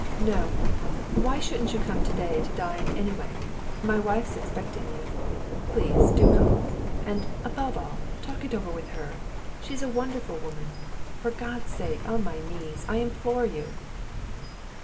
"No; why shouldn't you come today to dine, anyway? My wife's expecting you. Please, do come. And, above all, talk it over with her. She's a wonderful woman. For God's sake, on my knees, I implore you!"